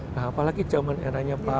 nah apalagi zaman eranya pak